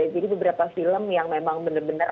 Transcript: jadi beberapa film yang memang benar benar